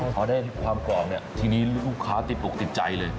จะบอกเนี่ยทีนี้ลูกค้าติดอกติดใจเลย